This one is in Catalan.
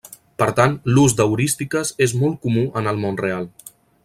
Per tant, l'ús d'heurístiques és molt comú en el món real.